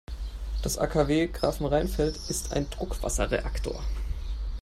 Das AKW Grafenrheinfeld ist ein Druckwasserreaktor.